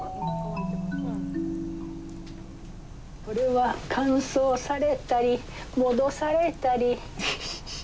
これは乾燥されたり戻されたり。